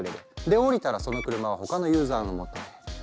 で降りたらその車は他のユーザーの元へ。